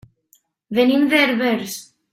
Venim de Herbers.